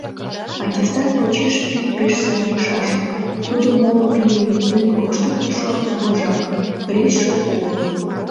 Аттестат почеш, пий пеш сай лийшашлык: тудо моло пийым вӱден коштыктышо — вожак, призше уло.